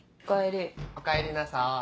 おかえりなさい。